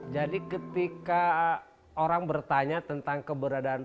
jadi ketika orang bertanya tentang keberadaan